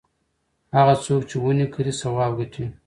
هغه څوک چې ونې کري ثواب ګټي.